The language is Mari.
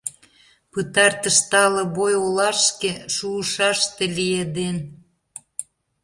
Пытартыш тале бой олашке шуышаште лиеден.